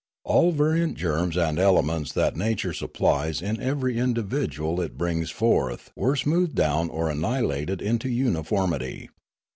All variant germs and elements that nature supplies in every individual it brings forth were smoothed down or annihilated into uniformity.